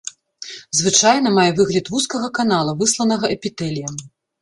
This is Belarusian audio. Звычайна мае выгляд вузкага канала, выслана эпітэліем.